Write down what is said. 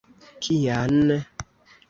Kian?